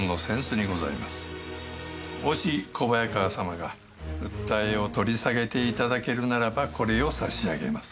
もし小早川様が訴えを取り下げて頂けるならばこれを差し上げます。